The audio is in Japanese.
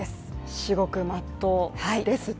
至極、まっとう、ですって。